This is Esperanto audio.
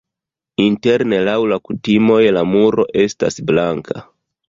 Interne laŭ la kutimoj la muro estas blanka.